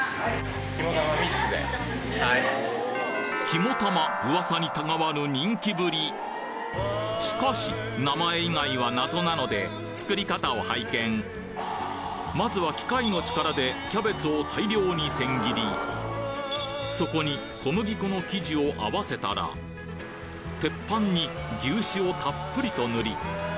きも玉噂にたがわぬ人気ぶりしかし名前以外は謎なのでまずは機械の力でキャベツを大量に千切りそこに小麦粉の生地を合わせたら鉄板に牛脂をたっぷりと塗り